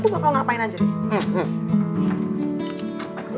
gue bakal ngapain aja nih